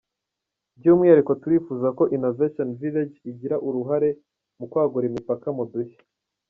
By’umwihariko turifuza ko Innovation Village igira uruhare mu kwagura imipaka mu dushya.